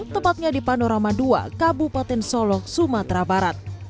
tepatnya di panorama dua kabupaten solok sumatera barat